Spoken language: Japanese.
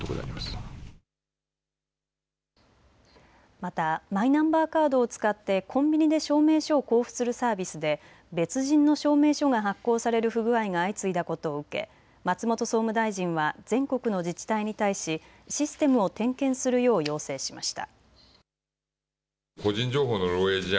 またマイナンバーカードを使ってコンビニで証明書を交付するサービスで別人の証明書が発行される不具合が相次いだことを受け松本総務大臣は全国の自治体に対しシステムを点検するよう要請しました。